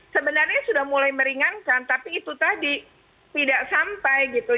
sebenarnya sudah mulai meringankan tapi itu tadi tidak sampai gitu